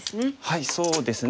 はいそうですね。